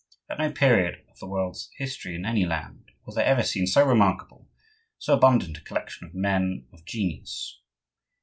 At no period of the world's history, in any land, was there ever seen so remarkable, so abundant a collection of men of genius.